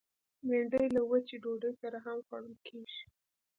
بېنډۍ له وچې ډوډۍ سره هم خوړل کېږي